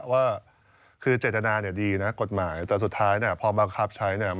แต่จะมีใครที่จะสู้เพื่อแบบ